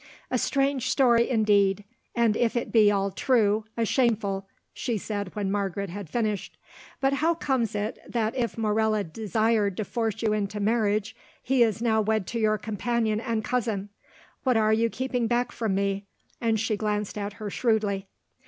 "A strange story indeed, and if it be all true, a shameful," she said when Margaret had finished. "But how comes it that if Morella desired to force you into marriage, he is now wed to your companion and cousin? What are you keeping back from me?" and she glanced at her shrewdly.